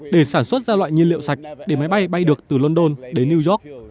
để sản xuất ra loại nhiên liệu sạch để máy bay bay được từ london đến new york